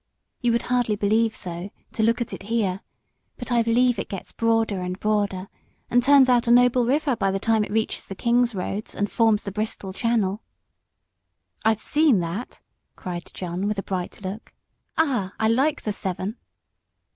You would hardly believe so, to look at it here but I believe it gets broader and broader, and turns out a noble river by the time it reaches the King's Roads, and forms the Bristol Channel." "I've seen that!" cried John, with a bright look. "Ah, I like the Severn."